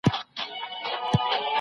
هغه د نثر پر جوړښت خبرې کړې دي.